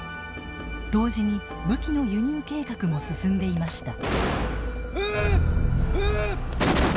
同時に武器の輸入計画も進んでいました。